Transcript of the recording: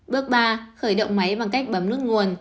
bước ba khởi động máy bằng cách bấm nước nguồn